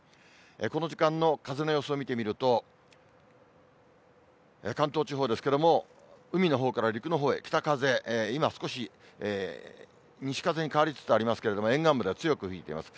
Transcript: この時間の風の様子を見てみると、関東地方ですけれども、海のほうから陸のほうへ、北風、今、少し、西風に変わりつつありますけれども、沿岸部では強く吹いています。